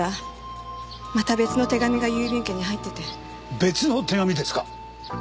別の手紙ですか？